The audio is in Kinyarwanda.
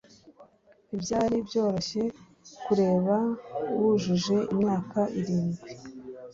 Ntibyari byoroshye kureba wujuje imyaka irindwi